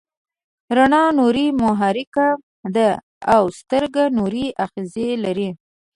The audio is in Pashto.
رڼا نوري محرک ده او سترګه نوري آخذې لري.